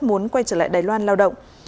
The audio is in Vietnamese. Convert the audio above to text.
muốn quay trở lại đài loan lao động